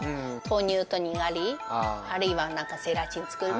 豆乳とにがり、あるいはなんか、ゼラチン作る。